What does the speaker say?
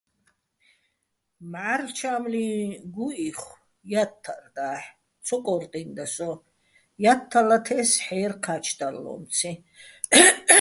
მჵარლ' ჩა́მლიჼ გუჸიხო̆, ჲათთარ დაჰ̦ ცო კო́რტინდა სოჼ, ჲათთალათე́ს ჰ̦აჲრი̆ ჴა́ჩდალლომციჼ.